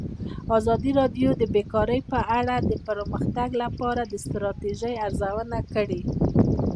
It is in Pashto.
ازادي راډیو د بیکاري په اړه د پرمختګ لپاره د ستراتیژۍ ارزونه کړې.